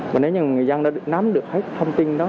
và nếu như người dân đã nắm được hết thông tin đó